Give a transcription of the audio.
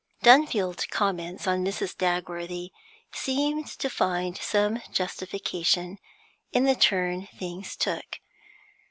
Dunfield comments on Mrs. Dagworthy seemed to find some justification in the turn things took.